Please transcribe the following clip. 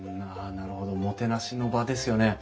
なるほどもてなしの場ですよね。